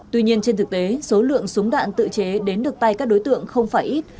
tuy nhiên trên thực tế số lượng súng đạn tự chế đến được tay các đối tượng không phải ít